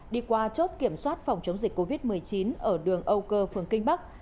đi qua chốt kiểm soát phòng chống dịch covid một mươi chín ở đường âu cơ phường kinh bắc